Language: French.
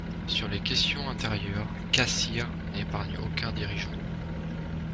Sur les questions intérieures, Kassir n'épargne aucun dirigeant.